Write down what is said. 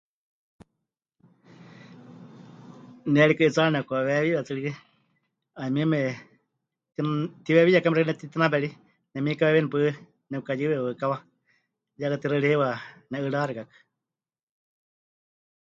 Ne rikɨ 'itsaari nepɨkaweewiwe tsɨ rikɨ, ‘ayumieme ti... tiweewiyakame xeikɨ́a nepɨtitinawe ri, nemikaweewíeni paɨ nepɨkayɨwe waɨkawa, ya katixaɨ ri heiwa ne'ɨráxikakɨ.